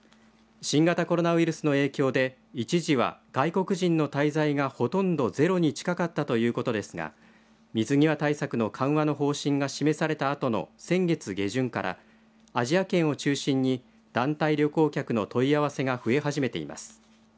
新型コロナウイルスの影響で一時は外国人の滞在がほとんどゼロに近かったということですが水際対策の緩和の方針が示されたあとの先月下旬からアジア圏を中心に団体旅行客の問い合わせが増えはじめています。